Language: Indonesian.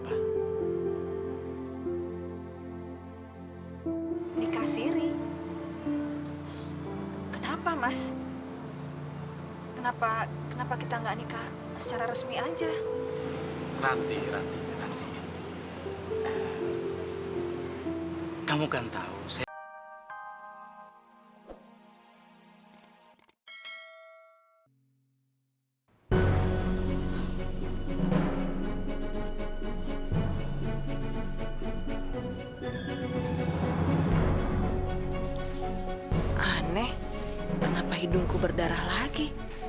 aneh kenapa hidungku berdarah lagi